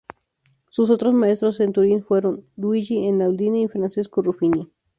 Sus otros maestros en Turín fueron Luigi Einaudi y Francesco Ruffini.